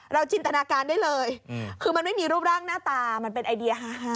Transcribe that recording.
จินตนาการได้เลยคือมันไม่มีรูปร่างหน้าตามันเป็นไอเดียฮา